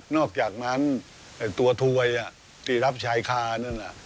อกจากนั้นตัวถวยที่รับชายคานั่น